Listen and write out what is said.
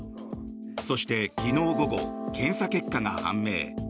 そして昨日午後、検査結果が判明。